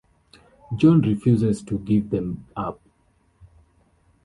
John refuses to give them up.